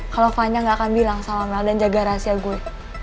kalo fanya nggak akan bilang sama mel dan jaga rahasia gue